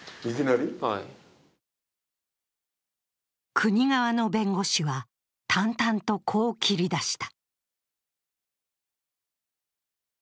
国側の弁護士は淡々とこう切り出した。